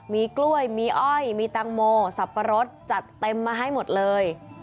มีกล้วยมีอ้อยมีตังโมสับปะรดจัดเต็มมาให้หมดเลย